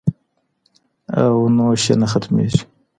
او نوش یې نه ختمیږي